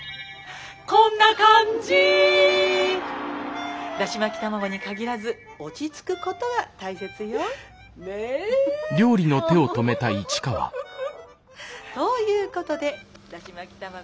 こんな感じだし巻き卵に限らず落ち着くことが大切よ。ね。ということでだし巻き卵の。